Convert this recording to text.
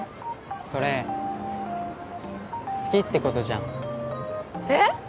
それ好きってことじゃんえっ！？